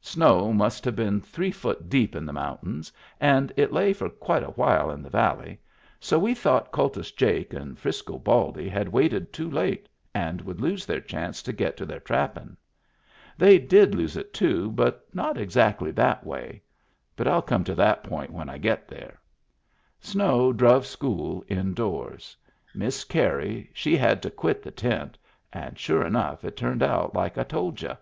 Snow must have been three foot deep in the mountains, and it lay for quite a while in the valley, so we thought Kultus Jake and Frisco Baldy had waited too late and would lose their chance to get to their trappin'. They did lose it, too, but not exactly that way — Digitized by Google WHERE IT WAS 255 but rU come to that point when I get there. Snow druv school indoors. Miss Carey she had to quit the tent — and sure enough it turned out like I told y'u.